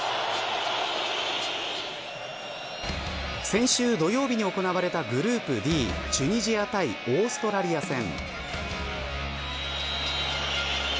先週土曜日に行われたグループＤチュニジア対オーストラリア戦。